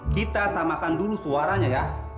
kita samakan dulu suaranya ya